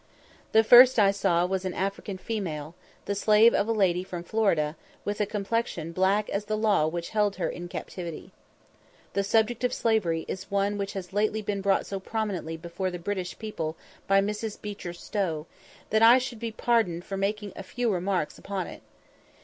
The first I saw was an African female, the slave of a lady from Florida, with a complexion black as the law which held her in captivity. The subject of slavery is one which has lately been brought so prominently before the British people by Mrs. Beecher Stowe, that I shall be pardoned for making a few remarks upon it.